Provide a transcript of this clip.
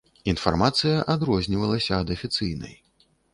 Інфармацыя адрознівалася ад афіцыйнай.